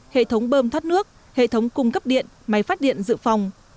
hệ thống bơm thoát nước hệ thống cung cấp điện máy phát điện dự phòng